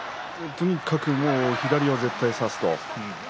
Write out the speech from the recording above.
とにかく左を絶対、差すと。